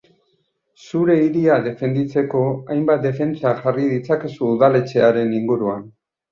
Zure hiria defenditzeko hainbat defentsa jarri ditzakezu udaletxearen inguruan.